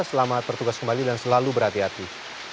selamat bertugas kembali dan selalu berhati hati